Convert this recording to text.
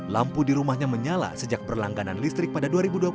lampu di rumahnya menyala sejak berlangganan listrik pada dua ribu dua puluh